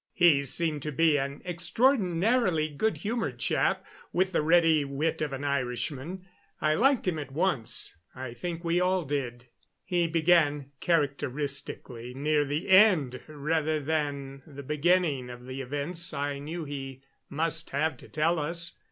He seemed to be an extraordinarily good humored chap, with the ready wit of an Irishman. I liked him at once I think we all did. He began, characteristically, near the end rather than the beginning of the events I knew he must have to tell us.